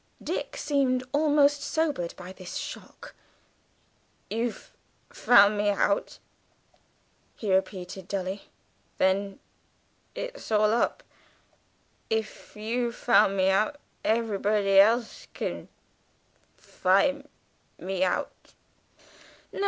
Dick seemed almost sobered by this shock. "You've found me out," he repeated dully. "Then it's all up. If you've found me out, everybody elsh can find me out!"